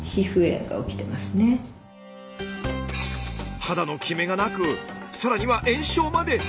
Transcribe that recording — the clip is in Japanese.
肌のキメがなく更には炎症まで。